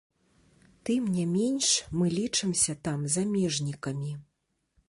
Тым не менш, мы лічымся там замежнікамі.